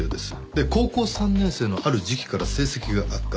で高校３年生のある時期から成績が悪化。